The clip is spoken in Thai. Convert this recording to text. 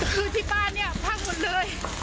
คือที่บ้านเนี่ยพังหมดเลย